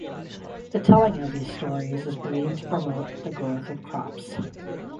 The telling of these stories is believed to promote the growth of crops.